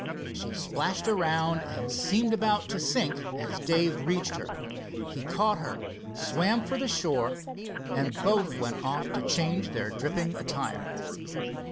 She splashed around and seemed about to sink as Dave reached her. He caught her, swam for the shore, and both went off to change their dripping attire.